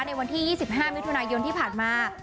ในวันที่๒๕มิถุนายนที่ผ่านมา